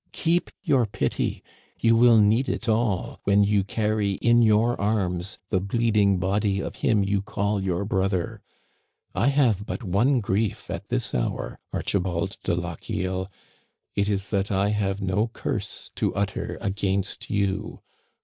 Keep your pity ! You will need it all when you carry in your arms the bleeding body of him you call your brother ! I have but one grief at this hour, Archibald de Lochiel, it is that I have no curse to utter against you.